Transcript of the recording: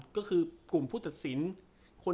ก็คือกลุ่มผู้ตัดสิน